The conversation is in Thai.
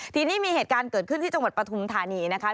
ทีนี้มีเหตุการณ์เกิดขึ้นที่จังหวัดปฐุมธานีนะคะ